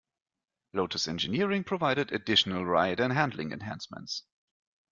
Lotus Engineering provided additional ride and handling enhancements.